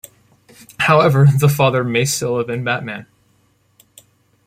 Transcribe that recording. However, the father may still have been Batman.